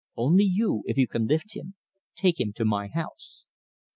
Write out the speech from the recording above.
"Only you, if you can lift him. Take him to my house."